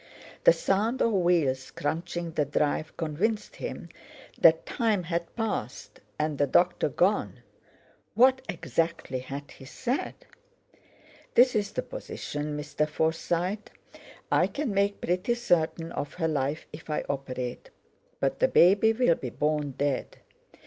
The sound of wheels crunching the drive convinced him that time had passed, and the doctor gone. What, exactly, had he said? "This is the position, Mr. Forsyte. I can make pretty certain of her life if I operate, but the baby will be born dead.